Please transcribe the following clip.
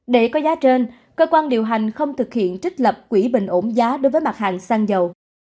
để có giá trên cơ quan điều hành không thực hiện trích lập quỹ bình ổn giá đối với mặt hàng xăng dầu